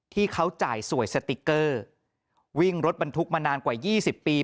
ที่เขาจ่ายสวยสติ๊กเกอร์วิ่งรถบรรทุกมานานกว่า๒๐ปี